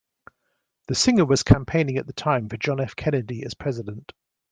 The singer was campaigning at the time for John F. Kennedy as president.